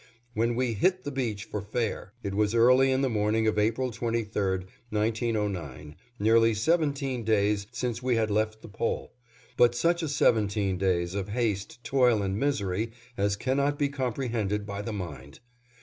When we "hit the beach for fair" it was early in the morning of April 23, 1909, nearly seventeen days since we had left the Pole, but such a seventeen days of haste, toil, and misery as cannot be comprehended by the mind.